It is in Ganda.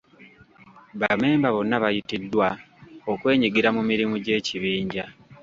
Ba memba bonna bayitiddwa okwenyigira mu mirimu gy'ekibinja.